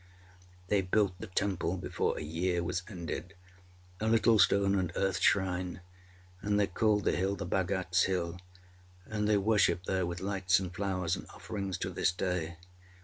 â They built the temple before a year was ended a little stone and earth shrine and they called the hill the Bhagatâs hill, and they worship there with lights and flowers and offerings to this day.